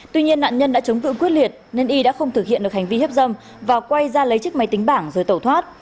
tuy nhiên nạn nhân đã chống cử quyết liệt nên y đã không thực hiện được hành vi hiếp dâm và quay ra lấy chiếc máy tính bảng rồi tẩu thoát